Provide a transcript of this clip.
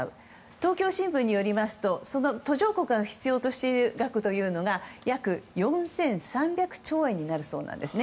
東京新聞によりますと途上国が必要としている額が約４３００兆円になるそうなんですね。